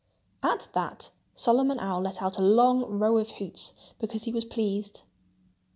At that Solomon Owl let out a long row of hoots, because he was pleased.